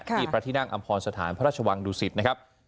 ที่ประธินักอำพลสถานพระราชวังดูสิทธิ์นะครับ